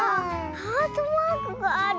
ハートマークがある。